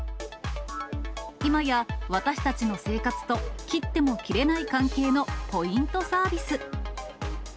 今や、私たちの生活と切っても切れない関係のポイントサービス。